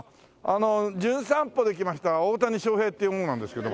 あの『じゅん散歩』で来ました大谷翔平っていう者なんですけどもね。